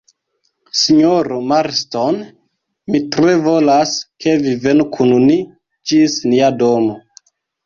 Sinjoro Marston, mi tre volas, ke vi venu kun ni ĝis nia domo.